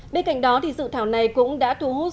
bên cạnh đó dự thảo này cũng đã thu hút dự thảo tài sản